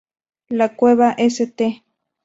La cueva St.